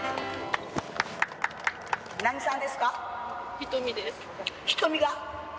何さんですか？